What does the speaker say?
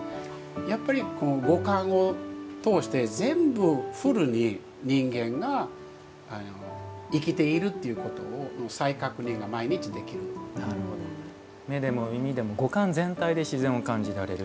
やっぱり五感を通して全部フルに、人間が生きているということの再確認が目でも耳でも五感全体で自然を感じられる。